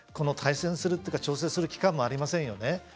対戦するというか調整する期間もありませんよね。